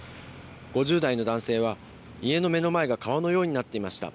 ５０代の男性は、家の目の前が川のようになっていました。